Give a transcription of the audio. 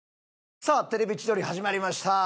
さあ『テレビ千鳥』始まりました。